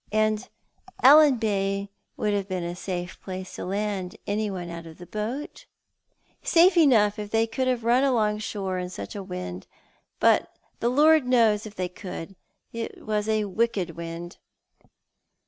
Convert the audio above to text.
" And Allan Bay would have been a safe place to land anyone out of the boat?" " Safe enough if they could have run along shore in such a ^ iii(j — but the Lord knows if they could. It was a wicked wind."